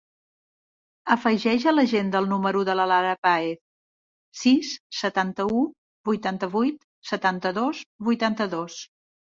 Afegeix a l'agenda el número de la Lara Paez: sis, setanta-u, vuitanta-vuit, setanta-dos, vuitanta-dos.